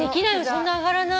そんな上がらない。